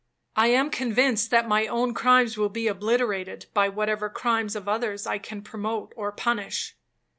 I am convinced that my own crimes will be obliterated, by whatever crimes of others I can promote or punish.